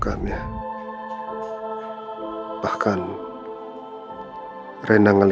kenapa nilai nilai dua hris m dari kembali